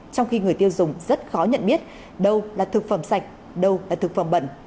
trong khi người tiêu dùng rất khó nhận biết đâu là thực phẩm sạch đâu là thực phẩm bẩn